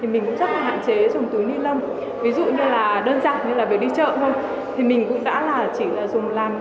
mình cũng rất hạn chế dùng túi linh lông